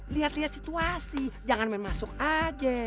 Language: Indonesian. lihat lihat situasi jangan main masuk aja